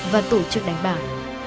và tổ chức đánh bạc